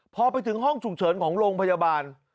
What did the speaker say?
พอไปถึงห้องฉุกเฉินของโรงพยาบาล